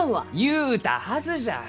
言うたはずじゃ！